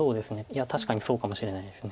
いや確かにそうかもしれないです。